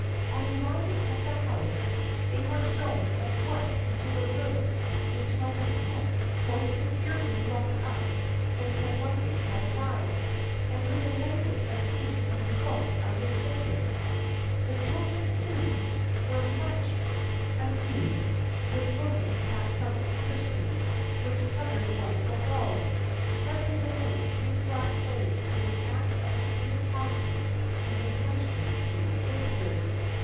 On arriving at the house they were shown at once into the room which had been kept so securely locked up since the luggage had arrived, and were delighted at seeing the result of his labours. The children, too, were much amused with looking at some tapestry which covered one of the walls, representing three black slaves in the act of handing coffee and refreshments to the visitors.